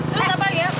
terus apalagi ya